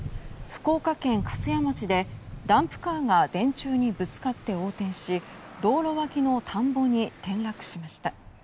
福岡県粕屋町でダンプカーが電柱にぶつかって横転し道路脇の田んぼに転落しました。